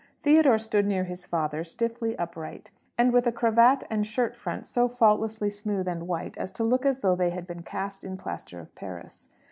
Theodore stood near his father, stiffly upright, and with a cravat and shirt front so faultlessly smooth and white as to look as though they had been cast in plaster of Paris.